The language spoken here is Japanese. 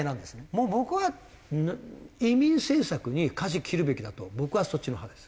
もう僕は移民政策にかじ切るべきだと僕はそっちの派です。